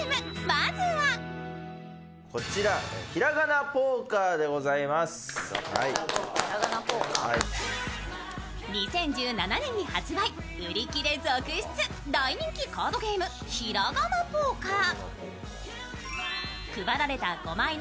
まずは２０１７年に発売、売り切れ続出、大人気カードゲーム「ひらがなポーカー」。